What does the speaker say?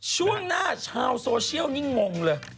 ช่วงหน้าชาวโซเชียลนี่งงเลย